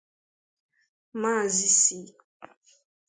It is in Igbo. maazị C